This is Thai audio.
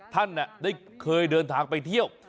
ท่านได้เคยเดินทางไปเที่ยว